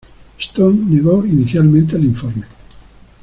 Stone negó inicialmente el informe.